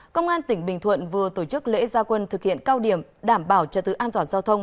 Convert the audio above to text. công an tỉnh bình thuận vừa tổ chức lễ gia quân thực hiện cao điểm đảm bảo cho thứ an toàn giao thông